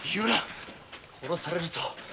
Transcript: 殺される？